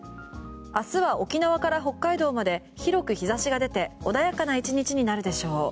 明日は沖縄から北海道まで広く日差しが出て穏やかな１日になるでしょう。